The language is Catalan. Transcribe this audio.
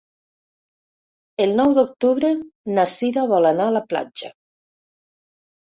El nou d'octubre na Sira vol anar a la platja.